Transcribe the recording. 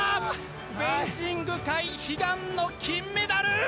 フェンシング界、悲願の金メダル！